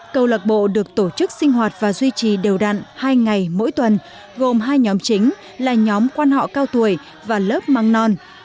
câu lạc bộ được tổ chức sinh hoạt và duy trì đều đặn hai ngày mỗi tuần gồm hai nhóm chính là nhóm quan họ cao tuổi và lớp măng non